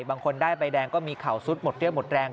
บางคนได้ใบแดงก็มีเข่าซุดหมดเรี่ยวหมดแรง